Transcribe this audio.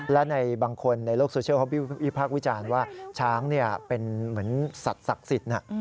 และในบางคนในโลกโซเชียลเขาวิพากษ์วิจารณ์ว่าช้างเป็นเหมือนสัตว์ศักดิ์สิทธิ์